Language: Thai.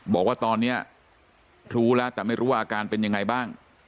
บอกว่าตอนนี้รู้แล้วแต่ไม่รู้ว่าอาการเป็นยังไงบ้าง